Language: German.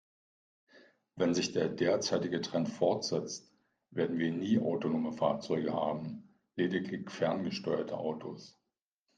Wenn sich der derzeitige Trend fortsetzt, werden wir nie autonome Fahrzeuge haben, lediglich ferngesteuerte Autos.